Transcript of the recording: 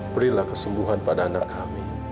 berilah kesembuhan pada anak kami